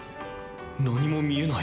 何も見えない。